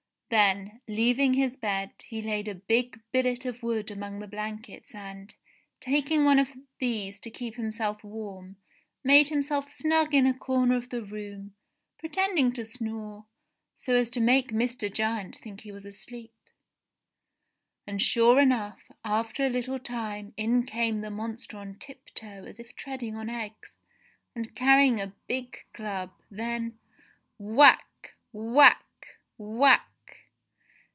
Then, leaving his bed, he laid a big billet of wood among the blankets and, taking one of these to keep himself warm, made himself snug in a corner of the room, pretending to snore, so as to make Mr. Giant think he was asleep. And sure enough, after a little time in came the monster on tiptoe as if treading on eggs, and carrying a big club. Then — Whack ! Whack ! Whack